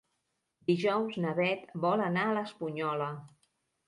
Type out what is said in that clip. Dijous na Beth vol anar a l'Espunyola.